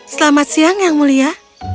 selamat siang yang mulia